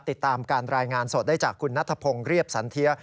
ติดตามการรายงานสดได้จากคุณนัทพงศ์เรียบสันเทีย